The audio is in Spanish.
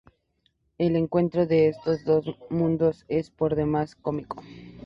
El encuentro de estos dos mundos es por demás cómico.